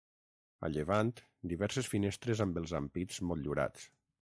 A llevant diverses finestres amb els ampits motllurats.